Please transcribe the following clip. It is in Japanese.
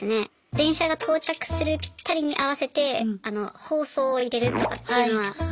電車が到着するぴったりに合わせて放送をいれるとかっていうのは。